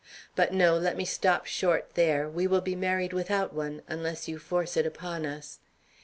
But no, let me stop short there. We will be married without one, unless you force it upon us.